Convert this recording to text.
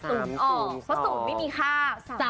เพราะศูนย์ไม่มีค่า